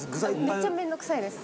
めっちゃ面倒くさいです。